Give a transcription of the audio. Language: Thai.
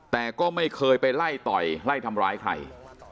แต่ก็ไม่เคยไปไล่ต่อยไล่ทำร้ายใคร